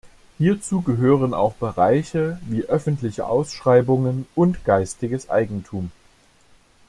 Hierzu gehören auch Bereiche wie öffentliche Ausschreibungen und geistiges Eigentum.